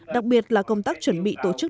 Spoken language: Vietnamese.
đặc biệt là công tác chuẩn bị tổ chức